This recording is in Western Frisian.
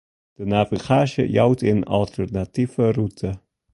De navigaasje jout in alternative rûte.